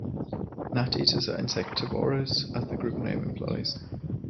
Gnateaters are insectivorous as the group name implies.